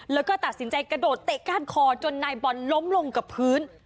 แล้วก็ตัดสินใจกระโดดเตะก้านคอจนนายบอลล้มลงกับพื้น